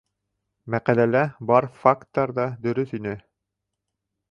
Мәҡәләлә бар факттар ҙа дөрөҫ ине.